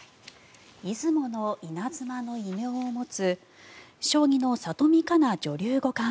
出雲のイナズマの異名を持つ将棋の里見香奈女流五冠。